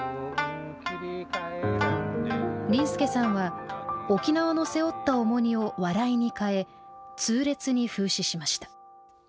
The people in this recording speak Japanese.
林助さんは沖縄の背負った重荷を笑いに変え痛烈に風刺しました。